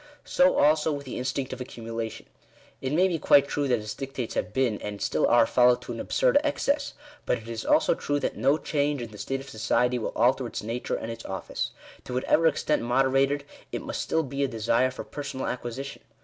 So also with the instinct of accumulation. It may be quite true that its dictates have been, and still are, followed to an absurd excess ; but it is also true that no change in the state of society will alter its nature and its office. To whatever extent moderated, it must still be a desire for per sonal acquisition.